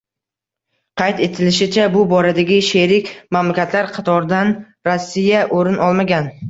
Qayd etilishicha, bu boradagi sherik mamlakatlar qatoridan Rossiya oʻrin olmagan.